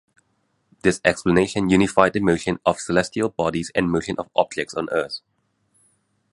This explanation unified the motion of celestial bodies and motion of objects on earth.